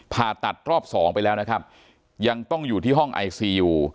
ผ่าตัดรอบสองไปแล้วนะครับยังต้องอยู่ที่ห้องไอซียู